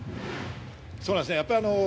そうなんですね。